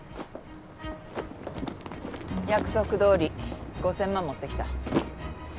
約束どおり５，０００万持ってきた。